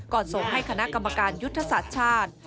ก่อนส่งให้คณะกรรมการยุทธศชาติ